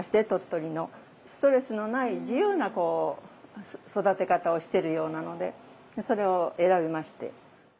ストレスのない自由なこう育て方をしてるようなのでそれを選びまして。